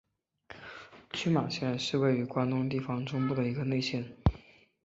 群马县是位于关东地方中部的一个内陆县。